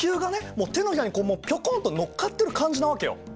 もう手のひらにピョコンと乗っかってる感じなわけよ。